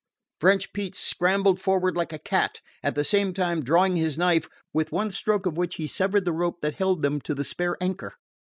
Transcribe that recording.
French Pete scrambled forward like a cat, at the same time drawing his knife, with one stroke of which he severed the rope that held them to the spare anchor.